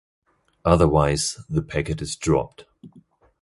Otherwise the packet is dropped.